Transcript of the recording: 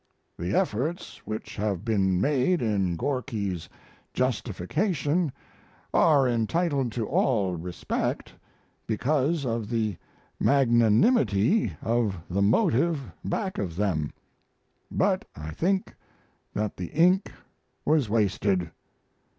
The efforts which have been made in Gorky's justification are entitled to all respect because of the magnanimity of the motive back of them, but I think that the ink was wasted.